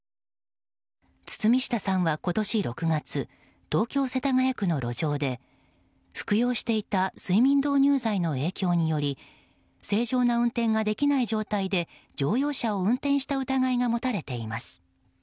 堤下さんは今年６月東京・世田谷区の路上で服用していた睡眠導入剤の影響により正常な運転ができない状態で乗用車を運転した疑いが持たれています。